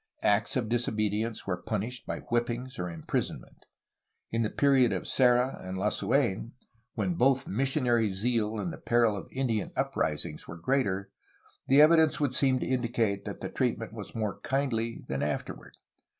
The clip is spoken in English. Acts of disobedience were punished by whipping or imprison ment. In the period of Serra and Lasu^n, when both mis sionary zeal and the peril of Indian uprisings were greater, the evidence would seem to indicate that the treatment was more kindly than afterward.